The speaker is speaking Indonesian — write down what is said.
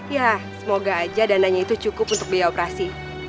ya semoga aja dananya itu cukup untuk biaya operasi